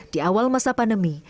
di awal masa pandemi